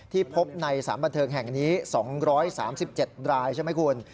พบในสารบันเทิงแห่งนี้๒๓๗รายใช่ไหมคุณ